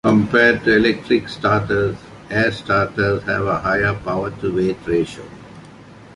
Compared to electric starters, air-starters have a higher power-to-weight ratio.